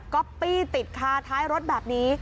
อปปี้ติดคาท้ายรถแบบนี้